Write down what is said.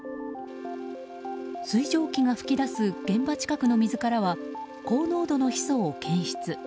水蒸気が噴き出す現場近くの水からは高濃度のヒ素を検出。